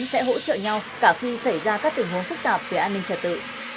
sẽ hỗ trợ nhau cả khi xảy ra các tình huống phức tạp về an ninh trật tự